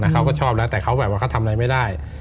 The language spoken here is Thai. เขาก็ชอบแล้วแต่เขาแบบว่าเขาทำอะไรไม่ได้